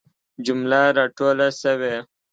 جمله را ټوله سوي.